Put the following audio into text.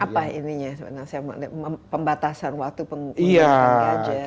apa ininya pembatasan waktu penggunaan gadget